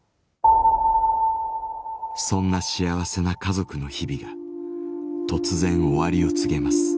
そんな幸せな家族の日々が突然終わりを告げます。